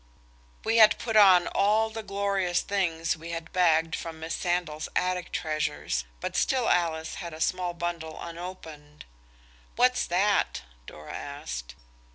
We had put on all the glorious things we had bagged from Miss Sandal's attic treasures, but still Alice had a small bundle unopened. "What's that?" Dora asked.